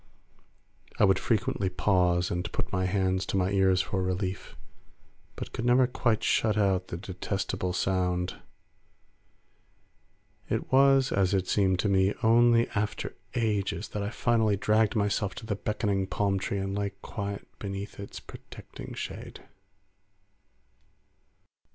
I would frequently pause and put my hands to my ears for relief, but could never quite shut out the detestable sound. It was, as it seemed to me, only after ages that I finally dragged myself to the beckoning palm tree and lay quiet beneath its protecting shade.